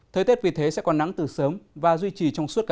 thời tiết vì thế sẽ còn nắng từ sớm và duy trì trong suốt cả